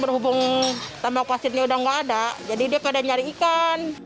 hubungan sama kwasitnya sudah tidak ada jadi dia pada mencari ikan